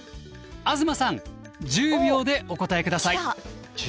東さん１０秒でお答え下さい。